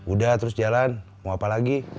udah terus jalan mau apa lagi